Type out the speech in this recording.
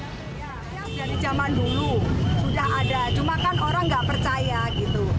ya yang dari zaman dulu sudah ada cuma kan orang nggak percaya gitu